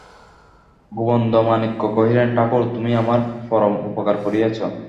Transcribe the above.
গোবিন্দমাণিক্য কহিলেন, ঠাকুর, তুমি আমার পরম উপকার করিয়াছ।